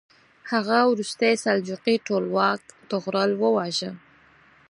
هغه وروستی سلجوقي ټولواک طغرل وواژه.